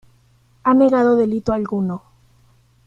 Ha negado delito alguno.